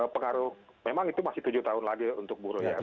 pengaruh memang itu masih tujuh tahun lagi untuk buruh ya